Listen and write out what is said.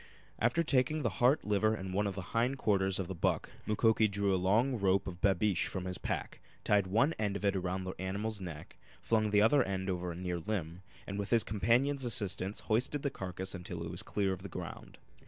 After taking the heart, liver and one of the hind quarters of the buck Mukoki drew a long rope of babeesh from his pack, tied one end of it around the animal's neck, flung the other end over a near limb, and with his companion's assistance hoisted the carcass until it was clear of the ground.